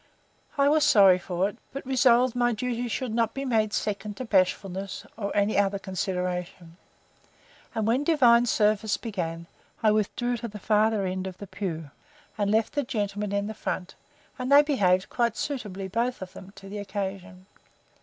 I was sorry for it; but was resolved my duty should not be made second to bashfulness, or any other consideration; and when divine service began, I withdrew to the farther end of the pew, and left the gentlemen in the front, and they behaved quite suitably, both of them, to the occasion.